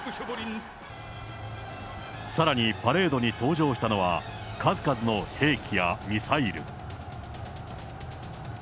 さらに、パレードに登場したのは、数々の兵器やミサイル。